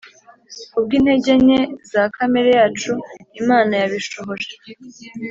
kubw intege nke za kamere yacu Imana yabishohoje